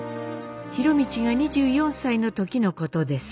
博通が２４歳の時のことです。